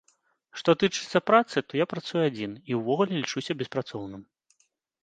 Што тычыцца працы, то я працую адзін і ўвогуле лічуся беспрацоўным.